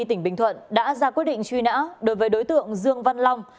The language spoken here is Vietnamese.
tỉnh bình thuận đã ra quyết định truy nã đối với đối tượng dương văn long